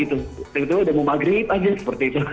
tentu tentu udah mau maghrib aja seperti itu